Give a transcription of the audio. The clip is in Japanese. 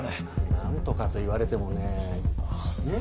何とかと言われてもね。